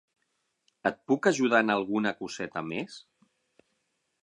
Et puc ajudar en alguna coseta més?